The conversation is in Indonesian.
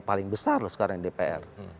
paling besar sekarang dpr